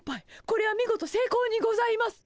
これは見事せいこうにございます！